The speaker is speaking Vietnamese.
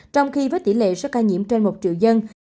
trong khi với tỷ lệ số ca nhiễm trên một triệu dân